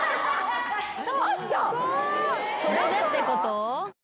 それでってこと？